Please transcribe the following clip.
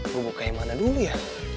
mau buka yang mana dulu ya